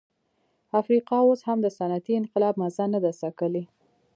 افریقا اوس هم د صنعتي انقلاب مزه نه ده څکلې.